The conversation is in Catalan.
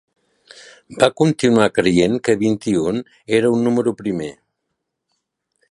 Va continuar creient que vint-i-un era un número primer.